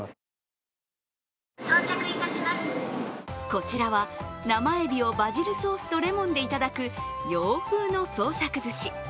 こちらは、生えびをバジルソースとレモンでいただく洋風の創作ずし。